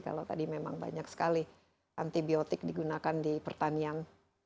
kalau tadi memang banyak sekali antibiotik digunakan di pertanian